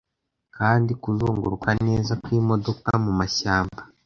kandi kuzunguruka neza kwimodoka mumashyamba